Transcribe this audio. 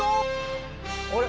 あれ？